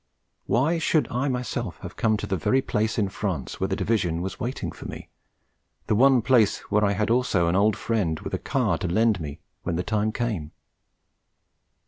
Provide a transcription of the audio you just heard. Why should I myself have come to the very place in France where the Division was waiting for me the one place where I had also an old friend with a car to lend me when the time came?